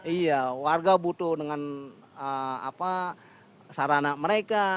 iya warga butuh dengan sarana mereka